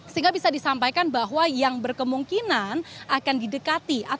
sehingga bisa disampaikan bahwa yang berkemungkinan akan didekati